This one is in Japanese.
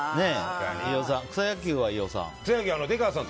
草野球は飯尾さん。